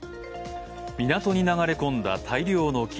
港に流れ込んだ大量の木。